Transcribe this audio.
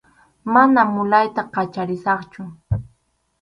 Manam mulayta kacharisaqchu.